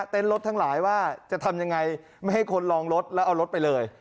รถทั้งหลายว่าจะทำยังไงไม่ให้คนลองรถแล้วเอารถไปเลย